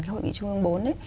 cái hội nghị trung ương bốn